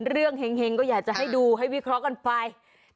เห็งก็อยากจะให้ดูให้วิเคราะห์กันไป